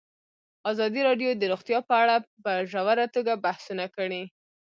ازادي راډیو د روغتیا په اړه په ژوره توګه بحثونه کړي.